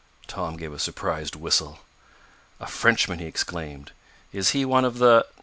Tom gave a surprised whistle. "A frenchman!" he exclaimed. "Is he one of the